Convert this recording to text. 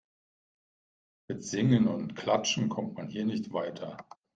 Mit Singen und Klatschen kommt man hier nicht weiter.